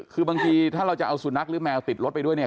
คือบางทีถ้าเราจะเอาสุนัขหรือแมวติดรถไปด้วยเนี่ย